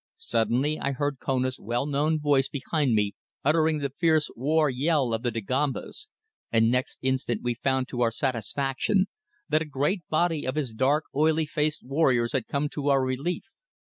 Suddenly I heard Kona's well known voice behind me uttering the fierce war yell of the Dagombas, and next instant we found to our satisfaction that a great body of his dark oily faced warriors had come to our relief.